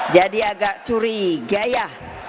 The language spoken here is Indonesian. jadi agak curiga ya